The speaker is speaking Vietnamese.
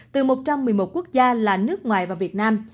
từ một trăm một mươi một quốc gia là nước ngoài và việt nam